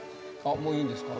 もういいんですか？